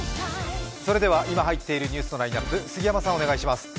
それでは今入っているニュースのラインナップ杉山さん、お願いします。